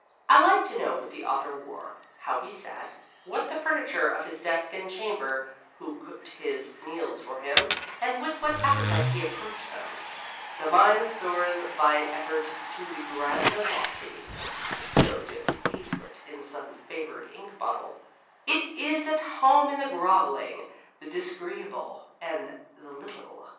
I like to know what the author wore, how he sat, what the furniture of his desk and chamber, who cooked his meals for him, and with what appetite he approached them. "The mind soars by an effort to the grand and lofty" (so dipped Hazlitt in some favored ink bottle) "it is at home in the groveling, the disagreeable, and the little."